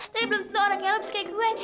tapi belum tentu orang kayak lo bisa kayak gue